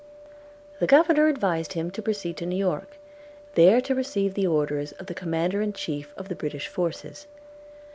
The Governor advised him to proceed to New York, there to receive the orders of the Commander in Chief of the British forces.